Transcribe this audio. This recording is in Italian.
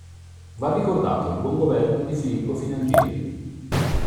Va ricordato il buon governo di Filippo Filangieri.